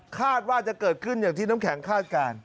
คาดว่าจะเกิดขึ้นอย่างที่น้ำแข็งคาดการณ์